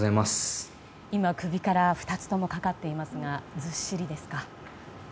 今、首に２つともかかっていますがずっしりですか？